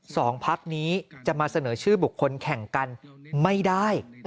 สองพักนี้จะมาเสนอชื่อบุคคลแข่งกันไม่ได้